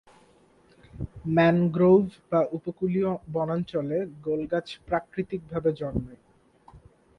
Mangrove বা উপকূলীয় বনাঞ্চলে গোল গাছ প্রাকৃতিক ভাবে জন্মে।